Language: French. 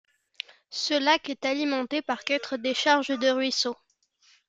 Ce lac est alimenté par quatre décharges de ruisseaux.